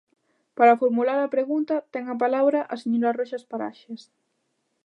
Para formular a pregunta, ten a palabra a señora Roxas Paraxes.